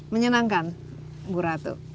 menyenangkan bura itu